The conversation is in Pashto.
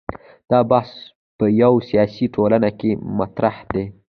دا بحث په یوه سیاسي ټولنه کې مطرح دی.